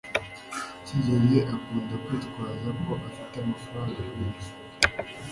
Kigeri akunda kwitwaza ko afite amafaranga menshi.